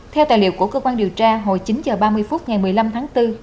theo tài liệu của cơ quan điều tra hồi chín h ba mươi phút ngày một mươi năm tháng bốn